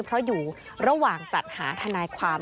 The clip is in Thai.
เพราะอยู่ระหว่างจัดหาทนายความ